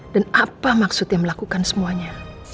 dan apa maksudnya melakukan semuanya